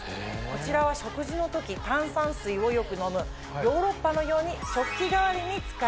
こちらは食事の時炭酸水をよく飲むヨーロッパのように。